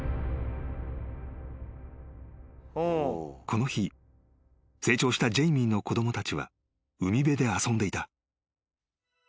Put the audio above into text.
［この日成長したジェイミーの子供たちは海辺で遊んでいた］